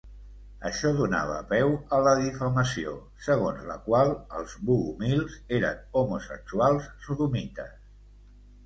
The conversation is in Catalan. Això donava peu a la difamació, segons la qual els bogomils eren homosexuals sodomites.